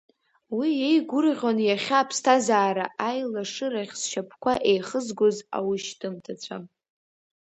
Уи иеигәырӷьон, иахьа аԥсҭазаара аилашырахь зшьапқәа еихызгоз аушьҭымҭацәа.